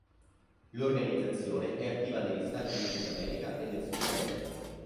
L'organizzazione è attiva negli Stati Uniti d'America e nel Sudamerica.